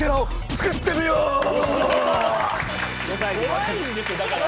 怖いんですよだからもう。